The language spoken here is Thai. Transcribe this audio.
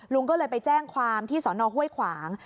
ลุงก็เลยไปแจ้งความที่สอนอห้วยขวาง